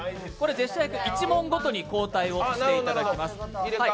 ジェスチャー役１問ごとに交代をしていただきます。